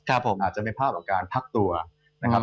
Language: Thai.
อาจจะเป็นภาพการพักตัวนะครับ